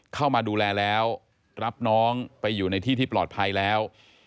เข้ามาดูแลแล้วรับน้องไปอยู่ในที่ที่ปลอดภัยแล้ว